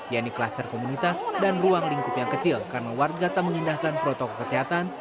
yaitu kluster komunitas dan ruang lingkup yang kecil karena warga tak mengindahkan protokol kesehatan